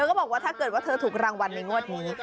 ก็บอกว่าถ้าเกิดว่าเธอถูกรางวัลในงวดนี้